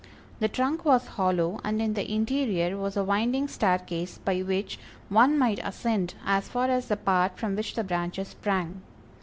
The trunk was hollow, and in the interior was a winding stair case, by which one might ascend as far as the part from which the branches sprang.